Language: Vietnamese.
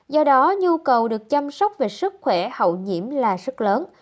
do đó nhu cầu được chăm sóc về sức khỏe hậu nhiễm là rất lớn